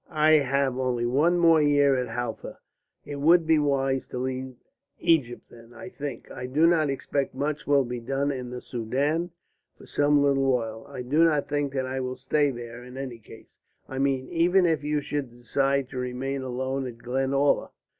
"I have only one more year at Halfa. It would be wise to leave Egypt then, I think. I do not expect much will be done in the Soudan for some little while. I do not think that I will stay there in any case. I mean even if you should decide to remain alone at Glenalla."